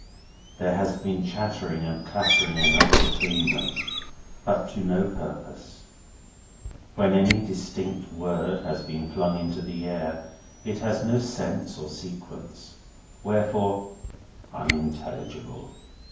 There has been chattering and clattering enough between them, but to no purpose. When any distinct word has been flung into the air, it has had no sense or sequence. Wherefore "unintelligible!"